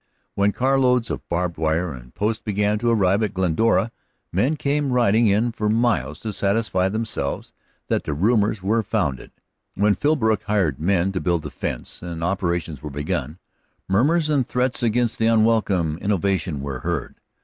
When carloads of barbed wire and posts began to arrive at Glendora men came riding in for miles to satisfy themselves that the rumors were founded; when Philbrook hired men to build the fence, and operations were begun, murmurs and threats against the unwelcome innovation were heard.